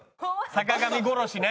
坂上殺しね！